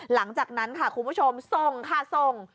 หลังจากนั้นค่ะคุณผู้ชมส่งค่ะส่ง